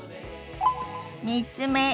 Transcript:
３つ目。